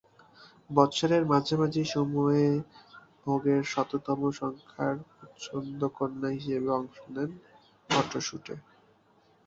বছরের মাঝামাঝি সময়ে ভোগের শততম সংখ্যার প্রচ্ছদকন্যা হিসেবে অংশ নেন ফটোশুটে।